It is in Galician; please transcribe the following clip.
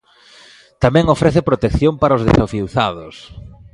Tamén ofrece protección para os desafiuzados.